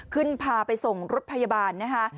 พาไปส่งรถพยาบาลนะคะ